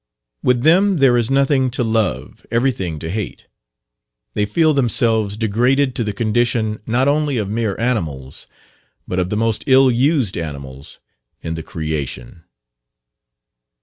With them there is nothing to love everything to hate. They feel themselves degraded to the condition not only of mere animals, but of the most ill used animals in the creation.